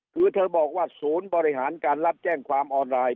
คือเธอบอกว่าศูนย์บริหารการรับแจ้งความออนไลน์